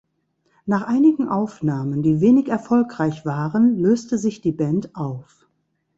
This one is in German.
Nach einigen Aufnahmen, die wenig erfolgreich waren, löste sich die Band auf.